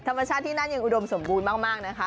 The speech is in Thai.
ธรรมชาติที่นั่นยังอุดมสมบูรณ์มากนะคะ